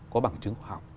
có bằng chứng khoảng